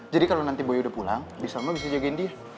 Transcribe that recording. jadi kalo nanti boy udah pulang bisa lama bisa jagain dia